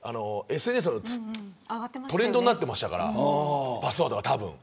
ＳＮＳのトレンドになっていましたからパスワードがたぶん。